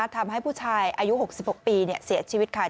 ทำให้ผู้ชายอายุ๖๖ปีเสียชีวิตค่ะ